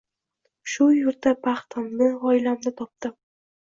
Shu yurtda baxtimni, oilamni topdim.